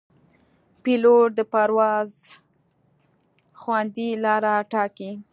پیلوټ د پرواز خوندي لاره ټاکي.